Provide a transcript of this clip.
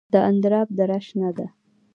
د اندراب دره شنه ده